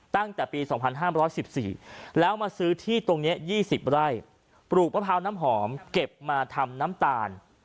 ตั้งแต่ปี๒๕๑๔แล้วมาซื้อที่ตรงนี้๒๐ไร่ปลูกมะพร้าวน้ำหอมเก็บมาทำน้ำตาล